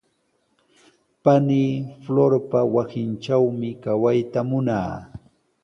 Panii Florpa wasintrawmi kawayta munaa.